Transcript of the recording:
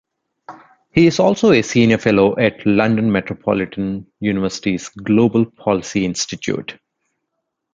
He is also a Senior Fellow at London Metropolitan University's Global Policy Institute.